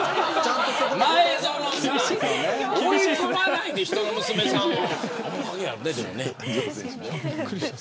前園さん、追い込まないで人の娘さんを。